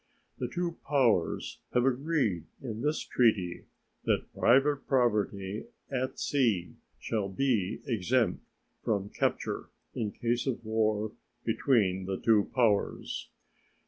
The two powers have agreed in this treaty that private property at sea shall be exempt from capture in case of war between the two powers.